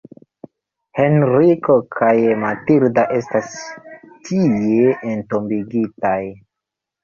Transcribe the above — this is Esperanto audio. Henriko kaj Matilda estas tie entombigitaj.